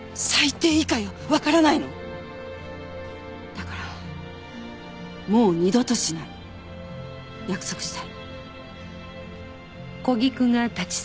だからもう二度としない約束して。